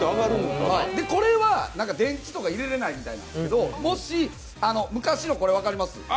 これは電池とか入れられないみたいなんですけど、もし昔のこれ、分かります？